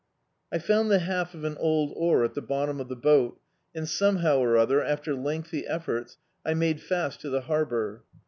I found the half of an old oar at the bottom of the boat, and somehow or other, after lengthy efforts, I made fast to the harbour.